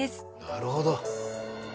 なるほど。